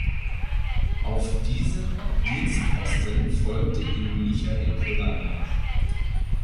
Auf diesem Dienstposten folgte ihm Michael Kulla nach.